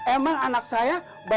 emang anak saya bayar kuliah pak ji sulam